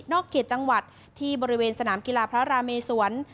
นอกเขตจังหวัดที่บริเวณสนามกีฬาพระราเมศวรรษ